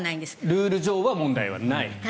ルール上は問題がないが。